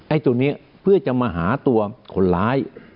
ตัวนี้เพื่อจะมาหาตัวคนร้าย